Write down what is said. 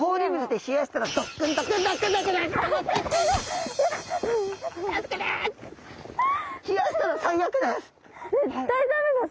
冷やしたら最悪です。